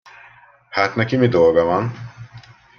Hát neki mi dolga van?